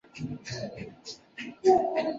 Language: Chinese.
早年捐太仆寺员外郎。